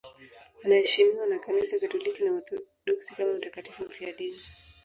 Anaheshimiwa na Kanisa Katoliki na Waorthodoksi kama mtakatifu mfiadini.